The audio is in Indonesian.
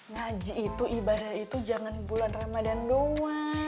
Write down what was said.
ngaji itu ibadah itu jangan bulan ramadan doang